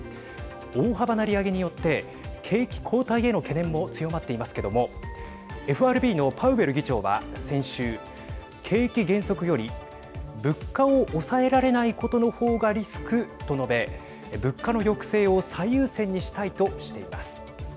大幅な利上げによって景気後退への懸念も強まっていますけどもＦＲＢのパウエル議長は、先週景気減速より物価を抑えられないことのほうがリスクと述べ物価の抑制を最優先にしたいとしています。